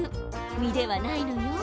実ではないのよ。